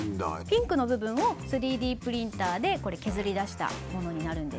ピンクの部分を３Ｄプリンターでこれ削り出したものになるんですけれども。